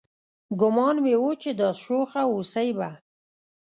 ګومان مې و چې دا شوخه هوسۍ به